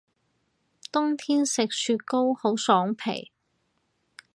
冬天食雪糕好爽皮